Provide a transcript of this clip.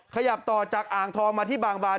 ขยับต่อจากอ่างทองมาที่บางบาน